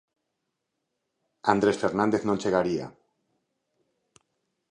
Andrés Fernández non chegaría.